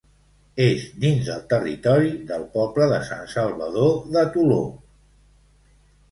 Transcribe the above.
És dins del territori del poble de Sant Salvador de Toló.